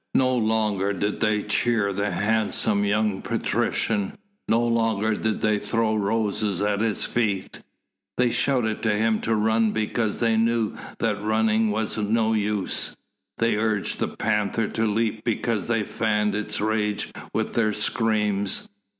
No longer did they cheer the handsome young patrician, no longer did they throw roses at his feet. They shouted to him to run because they knew that running was no use. They urged the panther to leap because they fanned its rage with their screams.